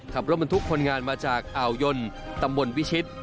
ขับรถบรรทุกคนงานมาจากอ่าวยนตำบลวิชิต